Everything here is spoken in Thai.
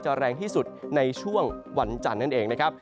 แรงที่สุดในช่วงวันจันทร์นั่นเองนะครับ